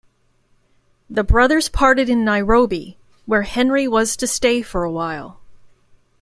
The brothers parted in Nairobi, where Henry was to stay for a while.